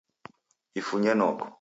Ifunye noko